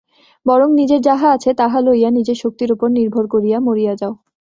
বরং নিজের যাহা আছে, তাহা লইয়া নিজের শক্তির উপর নির্ভর করিয়া মরিয়া যাও।